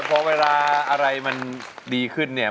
พอเวลาอะไรมันดีขึ้นเนี่ย